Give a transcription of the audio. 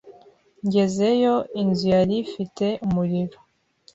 Ngezeyo, inzu yari ifite umuriro.